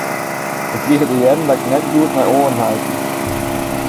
Ik krige te hearren dat ik net goed nei oaren harkje.